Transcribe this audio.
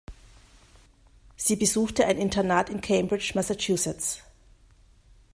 Sie besuchte ein Internat in Cambridge, Massachusetts.